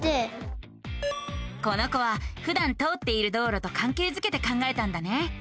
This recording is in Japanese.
この子はふだん通っている道路とかんけいづけて考えたんだね。